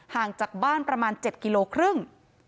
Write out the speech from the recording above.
ห่างจากบ้านประมาณ๗กิโลครึ่ง